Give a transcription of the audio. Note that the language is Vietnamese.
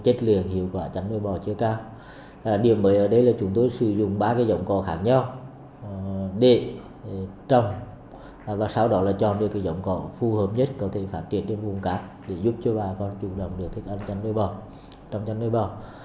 điểm mới ở đây là chúng tôi sử dụng ba dòng cò khác nhau địa trong và sau đó là cho những dòng cò phù hợp nhất có thể phát triển trên vùng cát để giúp cho bà con chủ động được thức ăn trong chăn nuôi bò